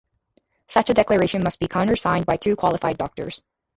Such a declaration must be countersigned by two qualified doctors.